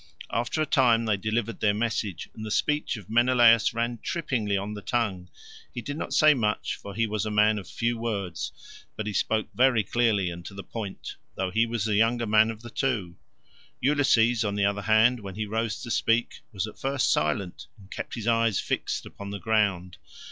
After a time they delivered their message, and the speech of Menelaus ran trippingly on the tongue; he did not say much, for he was a man of few words, but he spoke very clearly and to the point, though he was the younger man of the two; Ulysses, on the other hand, when he rose to speak, was at first silent and kept his eyes fixed upon the ground.